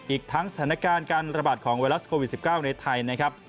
อีกทั้งสถานการณ์การระบาดของไวรัสโควิด๑๙ในไทยนะครับ